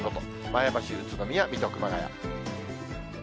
前橋、宇都宮、水戸、熊谷。